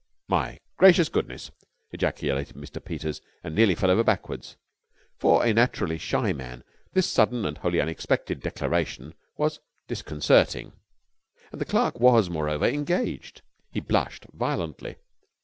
"My gracious goodness!" ejaculated Mr. Peters, and nearly fell over backwards. To a naturally shy man this sudden and wholly unexpected declaration was disconcerting: and the clerk was, moreover, engaged. He blushed violently.